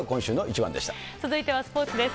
続いてはスポーツです。